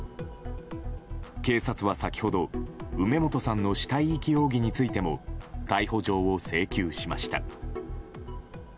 警察は先ほど、梅本さんの死体遺棄容疑についても逮捕状を請求しました。